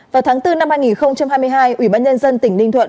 vào tháng bốn năm hai nghìn hai mươi hai ủy ban nhân dân tỉnh ninh thuận